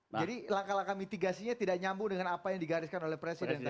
jadi langkah langkah mitigasinya tidak nyambung dengan apa yang digariskan oleh presiden